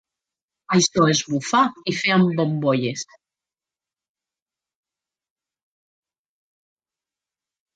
Això és bufar i fer bombolles